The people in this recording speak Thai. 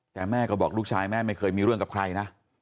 แต่แม่ก็บอกลูกชายแม่ไม่เคยมีเรื่องกับใครนะ